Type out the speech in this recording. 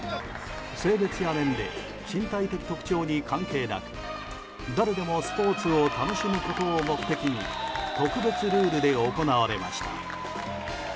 性別や年齢身体的特徴に関係なく誰でもスポーツを楽しむことを目的に特別ルールで行われました。